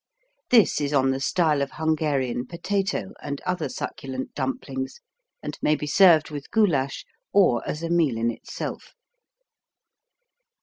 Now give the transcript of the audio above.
This is on the style of Hungarian potato and other succulent dumplings and may be served with goulash or as a meal in itself.